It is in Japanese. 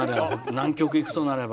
南極行くとなれば。